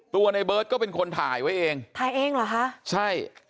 ในเบิร์ตก็เป็นคนถ่ายไว้เองถ่ายเองเหรอคะใช่